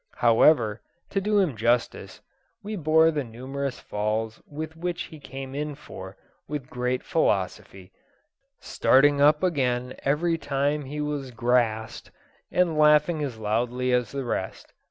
However, to do him justice, he bore the numerous falls which he came in for with great philosophy, starting up again every time he was "grassed," and laughing as loudly as the rest.